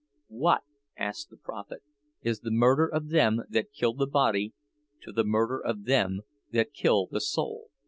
"What," asks the prophet, "is the murder of them that kill the body, to the murder of them that kill the soul?"